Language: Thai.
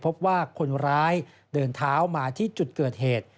พบว่าคนร้ายเดินเท้ามาที่จุดเกิดเหตุ